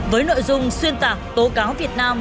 với nội dung xuyên tạc tố cáo việt nam